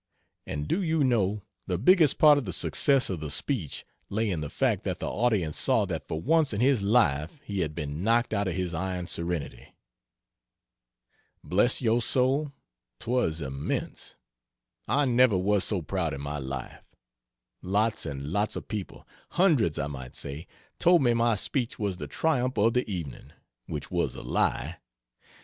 (And do you know, the biggest part of the success of the speech lay in the fact that the audience saw that for once in his life he had been knocked out of his iron serenity.) Bless your soul, 'twas immense. I never was so proud in my life. Lots and lots of people hundreds I might say told me my speech was the triumph of the evening which was a lie.